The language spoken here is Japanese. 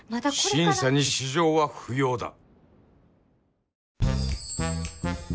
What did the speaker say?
審査に私情は不要だ。